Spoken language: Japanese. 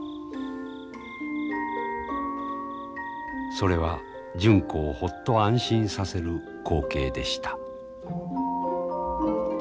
それは純子をほっと安心させる光景でした。